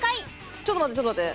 ちょっと待ってちょっと待って。